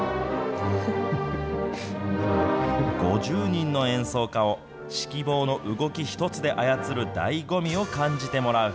５０人の演奏家を、指揮棒の動きひとつで操るだいご味を感じてもらう。